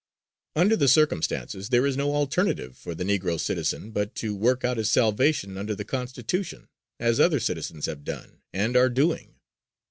Under the circumstances, there is no alternative for the Negro citizen but to work out his salvation under the Constitution, as other citizens have done and are doing.